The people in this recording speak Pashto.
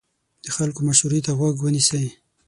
د خلکو مشورې ته غوږ ونیسئ.